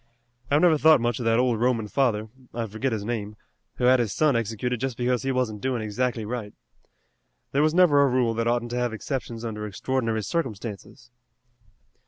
I've never thought much of that old Roman father I forget his name who had his son executed just because he wasn't doin' exactly right. There was never a rule that oughtn't to have exceptions under extraordinary circumstances."